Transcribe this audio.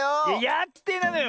やってないのよ！